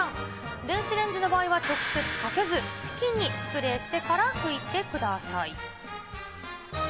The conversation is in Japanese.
電子レンジの場合は、直接かけず、布巾にスプレーしてから拭いてください。